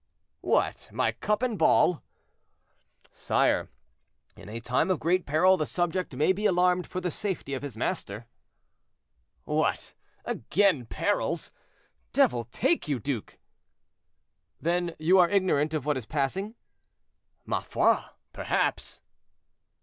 "What, my cup and ball?" "Sire, in a time of great peril the subject may be alarmed for the safety of his master." "What! again perils; devil take you, duke." "Then you are ignorant of what is passing?" "Ma foi, perhaps."